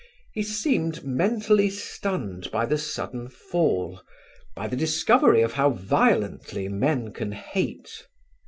He seemed mentally stunned by the sudden fall, by the discovery of how violently men can hate.